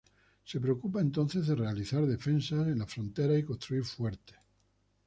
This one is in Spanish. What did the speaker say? Se preocupa entonces de realizar defensas en las fronteras y construir fuertes.